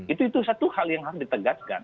itu satu hal yang harus ditegaskan